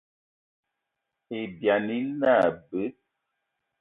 Ibyani ine abe.